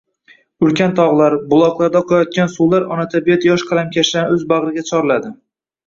Ulkan toģlar, buloqlarda oqayotgan suvlar ona tabiat yosh qalamkashlarni òz baģriga chorladi